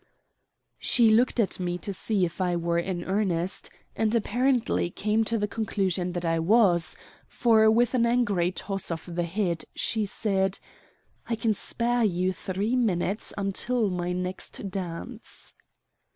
She looked at me to see if I were in earnest, and apparently came to the conclusion that I was, for with an angry toss of the head she said: "I can spare you three minutes until my next dance."